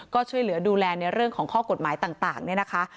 ก็ช่วยเหลือดูแลในเรื่องของข้อกฎหมายต่างเนี่ยนะคะ